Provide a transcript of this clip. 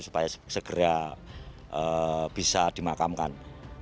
supaya segera bisa dimakamkan